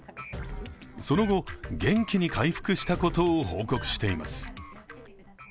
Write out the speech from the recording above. その後、元気に回復したことを報告しています。